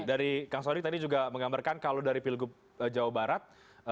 dari kang sodik tadi juga menggambarkan kalau dari pilgub jawa barat